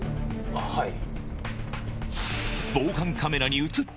はい。